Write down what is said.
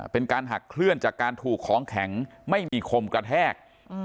เป็นการหักเคลื่อนจากการถูกของแข็งไม่มีคมกระแทก